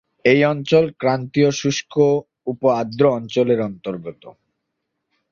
এই অঞ্চল ক্রান্তীয় শুষ্ক উপ-আর্দ্র অঞ্চলের অন্তর্গত।